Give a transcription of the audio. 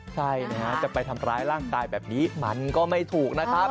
ใช่นะฮะจะไปทำร้ายร่างกายแบบนี้มันก็ไม่ถูกนะครับ